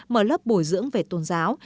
mở lớp bồi dưỡng về tôn giáo